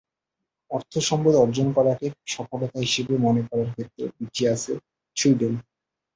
অর্থসম্পদ অর্জন করাকে সফলতা হিসেবে মনে করার ক্ষেত্রে পিছিয়ে আছে সুইডেন।